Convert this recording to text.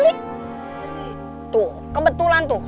selih tuh kebetulan tuh